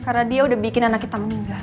karena dia udah bikin anak kita meninggal